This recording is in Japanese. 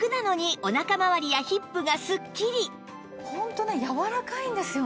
ホントね柔らかいんですよね。